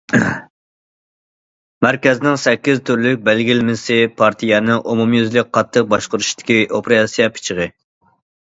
مەركەزنىڭ سەككىز تۈرلۈك بەلگىلىمىسى پارتىيەنى ئومۇميۈزلۈك قاتتىق باشقۇرۇشتىكى« ئوپېراتسىيە پىچىقى».